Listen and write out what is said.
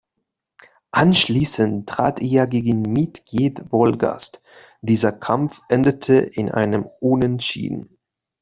Anschließend trat er gegen Midget Wolgast, dieser Kampf endete in einem Unentschieden.